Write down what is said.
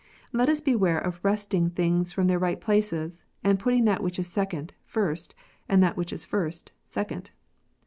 Let us beware of wresting things from their right places, and putting that which is second first, and that which is first second.